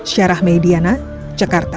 syarah mediana cekarta